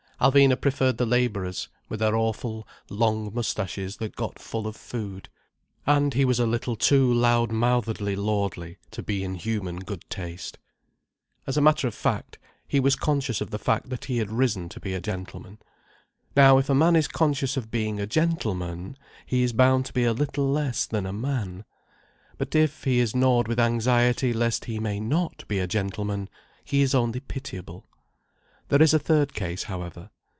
Alvina preferred the labourers with their awful long moustaches that got full of food. And he was a little too loud mouthedly lordly to be in human good taste. As a matter of fact, he was conscious of the fact that he had risen to be a gentleman. Now if a man is conscious of being a gentleman, he is bound to be a little less than a man. But if he is gnawed with anxiety lest he may not be a gentleman, he is only pitiable. There is a third case, however.